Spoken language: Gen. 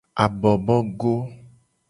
Abobogo.